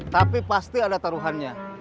tapi pasti ada taruhannya